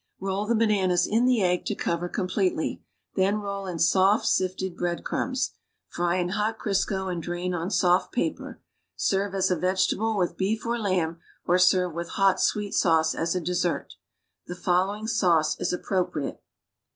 Roll the bananas in the egg to cover completely; then roll in soft, sifted bread crumbs. Fry in hot Oisco and drain on soft paper. Serve as a vegetable with beef or lamb, or serve with hot sweet sauce as a dessert. Tlie following sa\ice is appropriate.